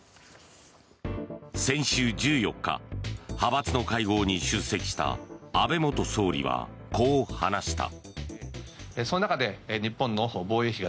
先週１４日派閥の会合に出席した安倍元総理はこう話した。